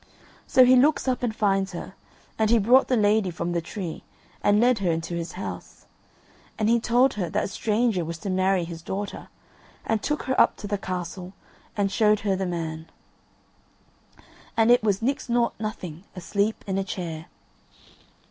So he looks up and finds her, and he brought the lady from the tree, and led her into his house. And he told her that a stranger was to marry his daughter, and took her up to the castle and showed her the man: and it was Nix Nought Nothing asleep in a chair.